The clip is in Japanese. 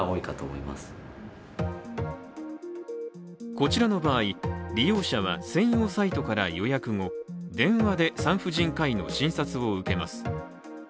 こちらの場合、利用者は専用サイトから予約後電話で産婦人科医の診察を受けます。